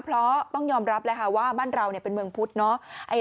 เพราะต้องยอมรับเลยค่ะว่าบ้านเราเป็นเมืองพุทธเนาะ